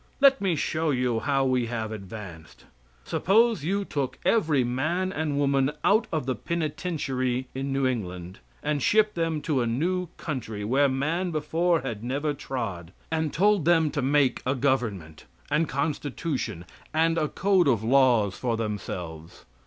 Let me show you how we have advanced. Suppose you took every man and woman out of the Penitentiary in New England and shipped them to a new country where man before had never trod, and told them to make a government, and constitution, and a code of laws for themselves.